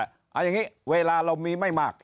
เอาอย่างนี้เวลาเรามีไม่มาก